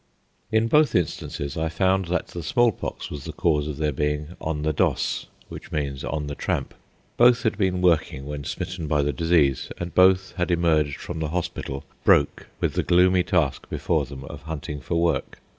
In both instances, I found that the smallpox was the cause of their being "on the doss," which means on the tramp. Both had been working when smitten by the disease, and both had emerged from the hospital "broke," with the gloomy task before them of hunting for work.